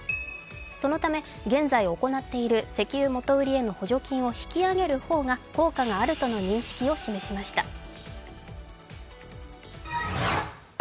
そのため現在行っている石油元売りへの補助金を引き上げる方が効果があるとの認識を示しました。